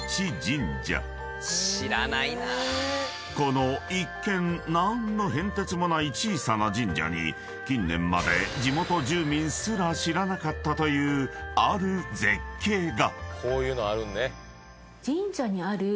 ［この一見何の変哲もない小さな神社に近年まで地元住民すら知らなかったというある絶景が］